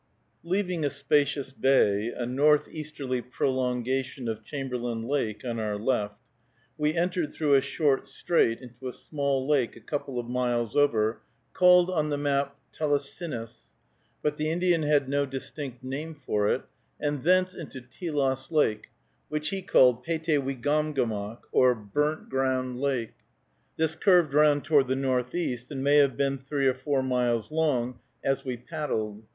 Leaving a spacious bay, a northeasterly prolongation of Chamberlain Lake, on our left, we entered through a short strait into a small lake a couple of miles over, called on the map Telasinis, but the Indian had no distinct name for it, and thence into Telos Lake, which he called Paytaywecomgomoc, or Burnt Ground Lake. This curved round toward the northeast, and may have been three or four miles long as we paddled.